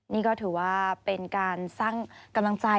นี่ก็ถือว่าเป็นการสร้างกำลังใจ